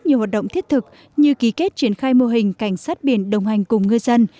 nhiều hoạt động thiết thực như ký kết triển khai mô hình cảnh sát biển đồng hành cùng ngư dân